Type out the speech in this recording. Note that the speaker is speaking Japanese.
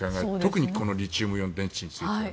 特にリチウムイオン電池については。